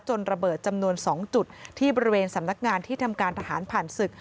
ระเบิดจำนวน๒จุดที่บริเวณสำนักงานที่ทำการทหารผ่านศึก